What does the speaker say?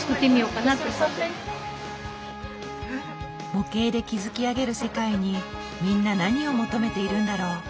模型で築き上げる世界にみんな何を求めているんだろう？